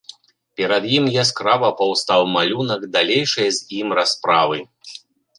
Перад ім яскрава паўстаў малюнак далейшай з ім расправы.